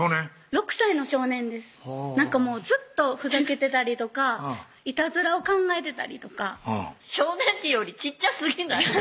６歳の少年ですずっとふざけてたりとかイタズラを考えてたりとか少年っていうより小っちゃすぎない？